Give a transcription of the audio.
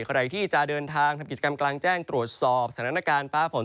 ใครที่จะเดินทางทำกิจกรรมกลางแจ้งตรวจสอบสถานการณ์ฟ้าฝน